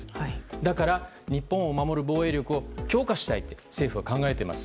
だから、日本を守る防衛力を強化したいと政府は考えています。